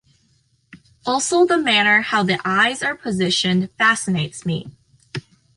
Also the manner how the eyes are positioned fascinates me.